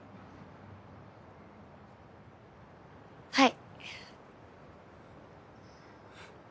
はい。